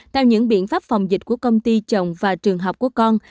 theo những biện pháp phòng dịch của công ty chồng và trường học của con